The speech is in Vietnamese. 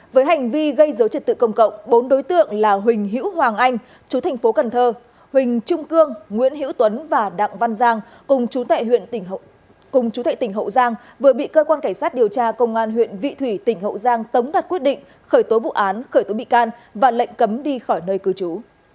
với hành vi gây dối trật tự công cộng bốn đối tượng là huỳnh hữu hoàng anh chú thành phố cần thơ huỳnh trung cương nguyễn hữu tuấn và đặng văn giang cùng chú tại huyện tỉnh hậu giang vừa bị cơ quan cảnh sát điều tra công an huyện vị thủy tỉnh hậu giang tống đặt quyết định khởi tố vụ án khởi tố bị can và lệnh cấm đi khỏi nơi cư trú